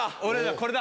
これだ！